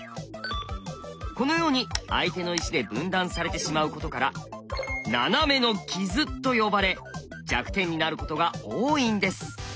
このように相手の石で分断されてしまうことから「ナナメの傷」と呼ばれ弱点になることが多いんです。